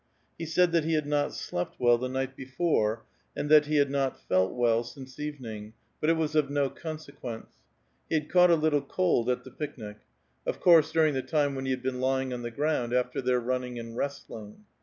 He said that he had not slept well the night before and that "^ had not felt well since evening, but it was of no conse ^^^tiee. He had caught a little cold at the picnic ; of course ^^Hng the time when he had been lying on the ground after theii« running and wrestling.